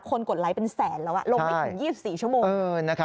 คนกดไลฟ์เป็นแสนแล้วอ่ะลงไปถึง๒๔ชั่วโมง